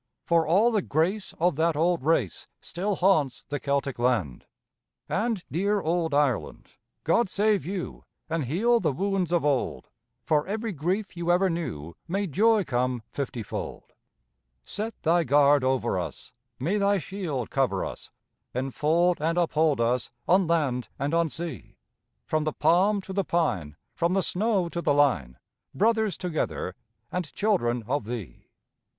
For all the grace of that old race Still haunts the Celtic land. And, dear old Ireland, God save you, And heal the wounds of old, For every grief you ever knew May joy come fifty fold! Set Thy guard over us, May Thy shield cover us, Enfold and uphold us On land and on sea! From the palm to the pine, From the snow to the line, Brothers together And children of Thee.